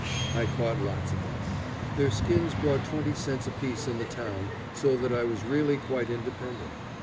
I caught lots of them. Their skins brought twenty cents apiece in the town, so that I was really quite independent.